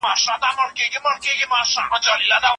پښتو به ژوندۍ وي.